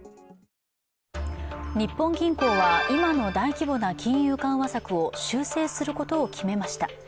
日本銀行は今の大規模な金融緩和策を修正することを決めました。